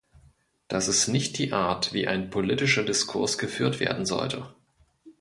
Das ist nicht die Art, wie ein politischer Diskurs geführt werden sollte.